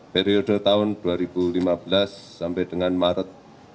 periode tahun dua ribu lima belas maret dua ribu sembilan belas